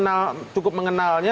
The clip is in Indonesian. anda cukup mengenalnya